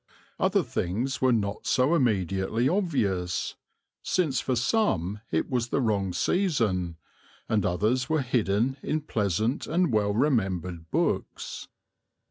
Other things were not so immediately obvious, since for some it was the wrong season, and others were hidden in pleasant and well remembered books.